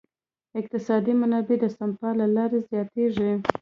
اقتصادي منابع د سپما له لارې زیاتیږي.